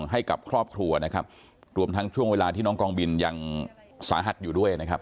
ให้กับครอบครัวนะครับรวมทั้งช่วงเวลาที่น้องกองบินยังสาหัสอยู่ด้วยนะครับ